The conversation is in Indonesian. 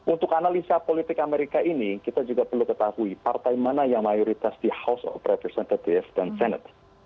untuk analisa politik amerika ini kita juga perlu ketahui partai mana yang mayoritas di house of representative dan senet